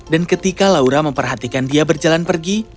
dan ketika laura memperhatikan dia berjalan pergi